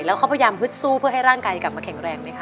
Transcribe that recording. แล้วเขาพยายามฮึดสู้เพื่อให้ร่างกายกลับมาแข็งแรงไหมค